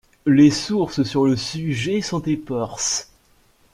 Les sources sur le sujet sont éparses.